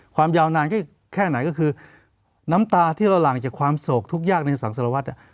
ความยาวนานก็แค่ไหนก็คือน้ำตาที่เราหลั่งจากความโศกทุกยากในสังสารวัตร